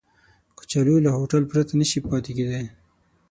کچالو له هوټل پرته نشي پاتې کېدای